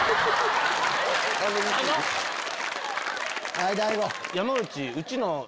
はい大悟。